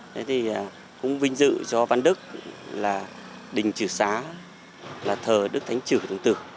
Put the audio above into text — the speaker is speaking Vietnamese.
thế thì cũng vinh dự cho văn đức là đình trử xá là thờ đức thánh trử đồng tử